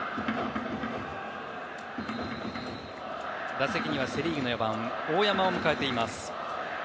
打席にはセ・リーグの４番大山を迎えています。